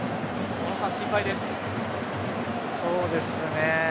小野さん、心配ですね。